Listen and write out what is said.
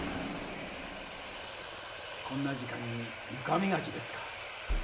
こんな時間にゆかみがきですか？